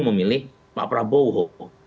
memilih pak prabowo